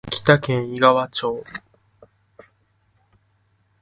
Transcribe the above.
秋田県井川町